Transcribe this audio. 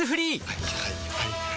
はいはいはいはい。